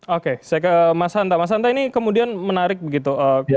oke saya ke mas hanta mas hanta ini kemudian menarik begitu